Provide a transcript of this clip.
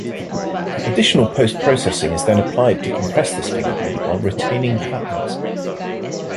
Additional post-processing is then applied to compress this fingerprint while retaining patterns.